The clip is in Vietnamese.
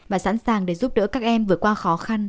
và sẵn sàng để giúp đỡ các em vượt qua khó khăn